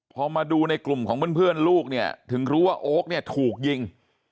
พอมาดูในกลุ่มของเพื่อนลูกเนี่ยถึงรู้ว่าโอ๊คเนี่ยถูกยิง